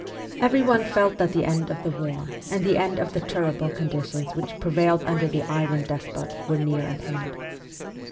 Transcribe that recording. Everyone felt that the end of the war and the end of the terrible condi tions which prevailed under the ' iron despot ' were near at hand.